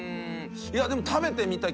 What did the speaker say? でも食べてみたい。